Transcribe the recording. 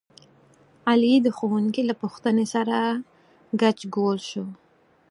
علي د ښوونکي له پوښتنې سره ګچ ګول شو.